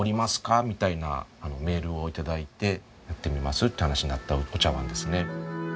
みたいなメールを頂いてやってみますって話になったお茶わんですね。